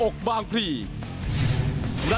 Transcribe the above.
สวัสดีครับ